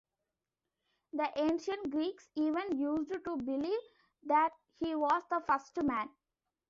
The ancient Greeks even used to believe that he was the first man.